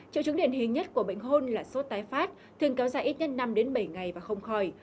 triệu chứng điển hình nhất của bệnh hôn là sốt tái phát thường kéo dài ít nhất năm bảy ngày và không khỏi